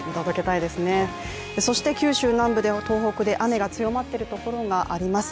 そして九州南部や東北で雨が強まっている所があります。